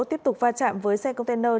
tiếp tục va chạm với xe container